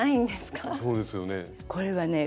そうですよね。